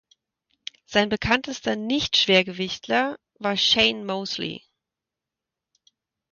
Sein bekanntester Nicht-Schwergewichtler war Shane Mosley.